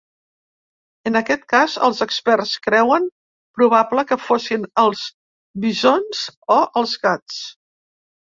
En aquest cas, els experts creuen probable que fossin els visons o els gats.